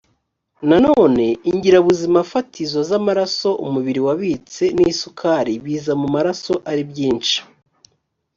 nanone ingirabuzimafatizo z amaraso umubiri wabitse n isukari biza mu maraso ari byinshi